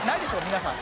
皆さん